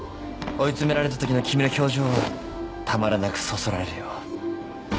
追い詰められたときの君の表情はたまらなくそそられるよ。